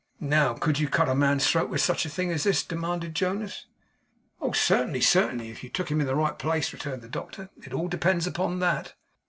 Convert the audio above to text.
'Now, could you cut a man's throat with such a thing as this?' demanded Jonas. 'Oh certainly, certainly, if you took him in the right place,' returned the doctor. 'It all depends upon that.